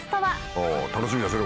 お楽しみですね